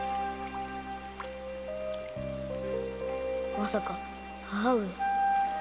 まさか母上が？